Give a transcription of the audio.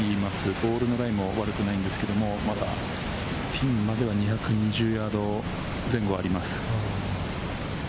ボールのラインも悪くないんですけれど、まだピンまでは２２０ヤード前後あります。